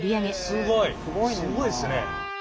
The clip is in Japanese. すごいっすね。